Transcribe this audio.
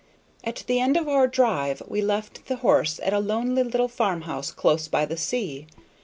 At the end of our drive we left the horse at a lonely little farm house close by the sea.